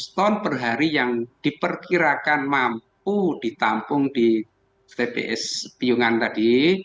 lima ratus ton per hari yang diperkirakan mampu ditampung di tps piungan tadi